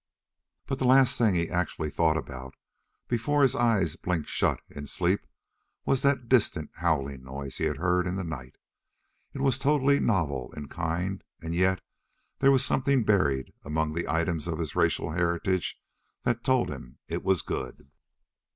But the last thing he actually thought about, before his eyes blinked shut in sleep, was that distant howling noise he had heard in the night. It was totally novel in kind, and yet there was something buried among the items of his racial heritage that told him it was good.